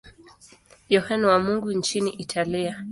Yohane wa Mungu nchini Italia.